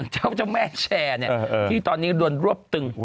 เจ้าแม่แชร์ที่ตอนนี้โดนรวบตึงหัว